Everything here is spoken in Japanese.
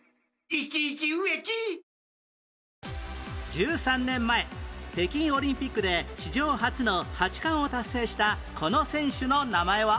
１３年前北京オリンピックで史上初の８冠を達成したこの選手の名前は？